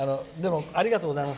でも、ありがとうございます。